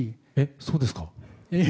そうですか？